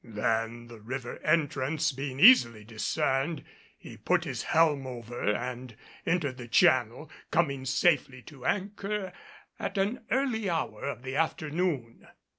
Then, the river entrance being easily discerned, he put his helm over and entered the channel, coming safely to anchor at an early hour of the afternoon.